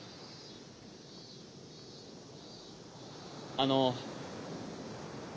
あの。